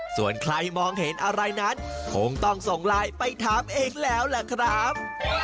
ส่วนใครมองเห็นอะไรนั้นคงต้องส่งไลน์ไปถามเองแล้วล่ะครับ